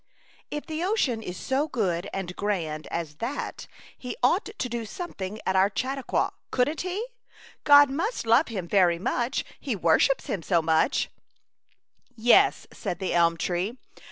'* If the ocean is so good and grand as that he ought to do something at our Chautauqua. Couldn't he? God must love him very much, he wor ships him so much/' 72 A Chautauqua Idyl. " Yes/' said the elm tree.